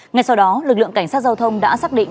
ngay sau đó lực lượng cảnh sát giao thông đã xác định